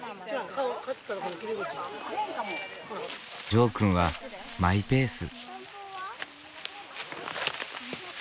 ジョーくんはマイペース。